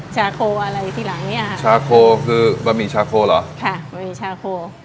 ชาโคอะไรทีหลังเนี้ยค่ะชาโคคือบะหมี่ชาโคเหรอค่ะบะหมี่ชาโค